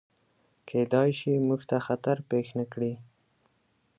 کیدای شي، موږ ته خطر پیښ نکړي.